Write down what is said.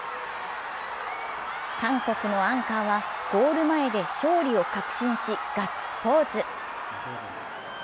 韓国のアンカーはゴール前で勝利を確信しガッツポーズ。